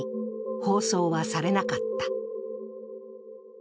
放送はされなかった。